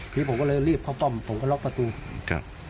ทีนี้ผมก็เลยรีบเข้าป้อมผมก็ล็อกประตูครับ